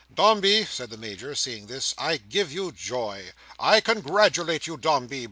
"Dombey," says the Major, seeing this, "I give you joy. I congratulate you, Dombey.